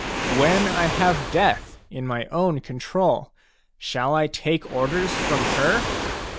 When I have death in my own control, shall I take orders from her?